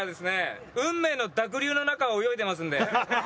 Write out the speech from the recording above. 運命の濁流の中を泳いでますんで。